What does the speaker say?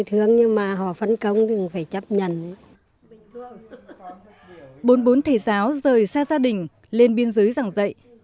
bốn mươi bốn thầy giáo rời xa gia đình lên biên giới giảng dạy